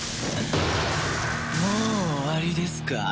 もう終わりですか？